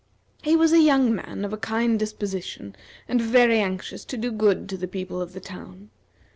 He was a young man of a kind disposition, and very anxious to do good to the people of the town.